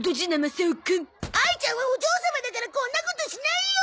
あいちゃんはお嬢様だからこんなことしないよ！